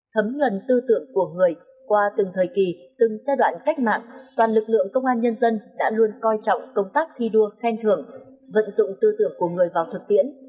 thấm nhuận tư tưởng của người qua từng thời kỳ từng giai đoạn cách mạng toàn lực lượng công an nhân dân đã luôn coi trọng công tác thi đua khen thưởng vận dụng tư tưởng của người vào thực tiễn